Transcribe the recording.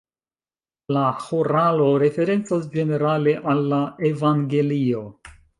La ĥoralo referencas ĝenerale al la evangelio.